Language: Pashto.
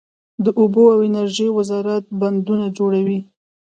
د اوبو او انرژۍ وزارت بندونه جوړوي؟